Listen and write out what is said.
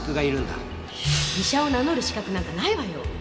医者を名乗る資格なんかないわよ！